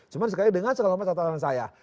cuma sekali dengan segala macam catatan saya